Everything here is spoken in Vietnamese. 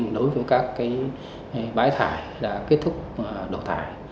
đối với các bãi thải đã kết thúc đổ thải